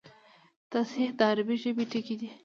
تصحیح د عربي ژبي ټکی دﺉ.